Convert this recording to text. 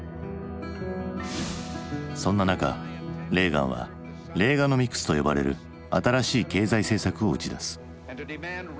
そんな中レーガンは「レーガノミクス」と呼ばれる新しい経済政策を打ち出す。